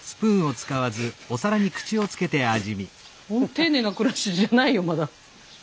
丁寧な暮らしじゃないよまだ。